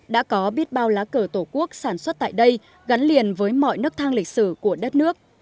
đã có biết bao lá cờ tổ quốc sản xuất tại đây gắn liền với mọi nức thang lịch sử của đất nước